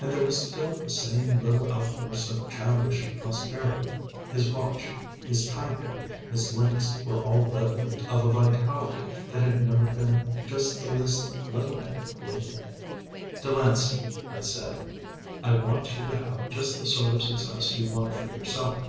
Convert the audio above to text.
And there were still the same little outbursts of childish prosperity, his watch, his tie pin, his links were all redolent of a vitality that had ever been just the least little bit blatant. "Delancey," I said, "I want you to have just the sort of success you want for yourself."